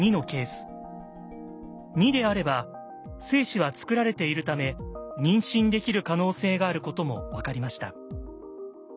２であれば精子はつくられているため妊娠できる可能性があることも分かりました。